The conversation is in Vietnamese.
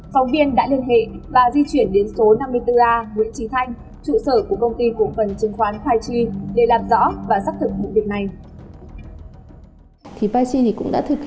phóng viên đã liên hệ và di chuyển đến số năm mươi bốn a nguyễn trí thanh